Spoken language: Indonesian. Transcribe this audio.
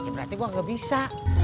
berarti gue gak bisa